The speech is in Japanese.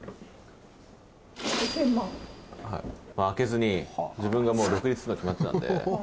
開けずに自分が独立するの決まってたんで。